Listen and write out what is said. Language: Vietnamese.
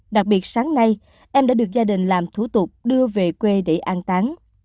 đặc biệt sáng nay em đã được gia đình làm thủ tục đưa về quê để an tán